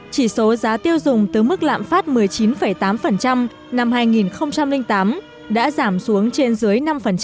chỉ số giá tiêu dùng từ mức lạm phát một mươi chín tám năm hai nghìn tám đã giảm xuống trên dưới năm